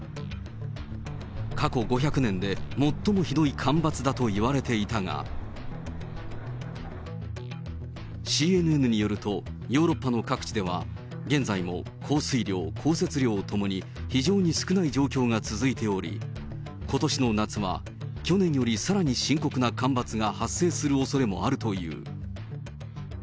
過去５００年で最もひどい干ばつだといわれていたが、ＣＮＮによると、ヨーロッパの各地では、現在も降水量、降雪量ともに非常に少ない状況が続いており、ことしの夏は、去年よりさらに深刻な干ばつが発生するおそれもあるという。